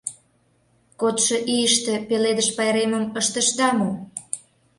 Кодшо ийыште Пеледыш пайремым ыштышда мо?